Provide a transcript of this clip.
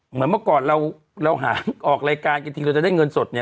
เหมือนเมื่อก่อนเราหาออกรายการกันทีเราจะได้เงินสดเนี่ย